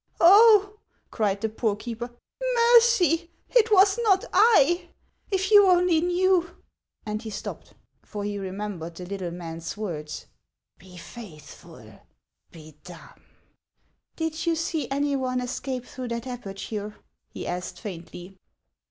" Oh," cried the poor keeper, " mercy ! It was not I ! If you only knew — And he stopped ; for he remem bered the little man's words :" Be faithful, be dumb." " Did you see any one escape through that aperture ?" he asked faintly.